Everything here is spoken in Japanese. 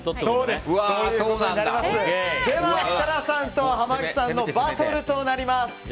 では、設楽さんと濱口さんのバトルとなります。